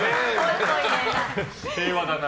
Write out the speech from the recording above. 平和だな。